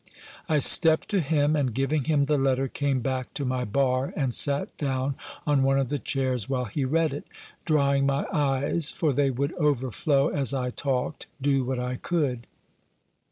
I stepped to him, and giving him the letter, came back to my bar, and sat down on one of the chairs while he read it, drying my eyes; for they would overflow as I talked, do what I could.